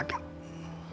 ya sudah lupa ya